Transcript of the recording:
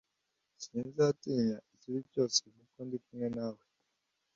sinzatinya ikibi cyose kuko ndi kumwe nawe